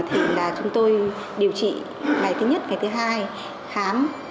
thì là chúng tôi điều trị ngày thứ nhất ngày thứ hai khám